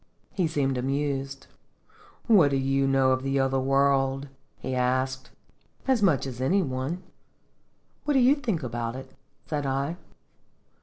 He seemed amused. "What do you know of the other world?" he asked. "As much as any one. What do you think about it?" said I.